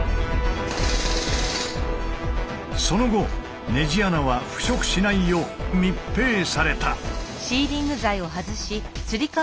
その後ネジ穴は腐食しないよう密閉された。